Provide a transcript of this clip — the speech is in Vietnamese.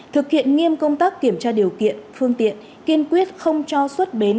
thực hiện nghiêm công tác kiểm tra điều kiện phương tiện kiên quyết không cho xuất bến